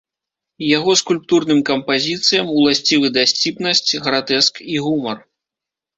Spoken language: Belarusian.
Яго скульптурным кампазіцыям уласцівы дасціпнасць, гратэск і гумар.